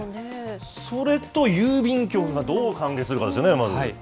それと郵便局がどう関係するかですよね。